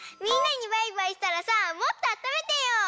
みんなにバイバイしたらさもっとあっためてよ！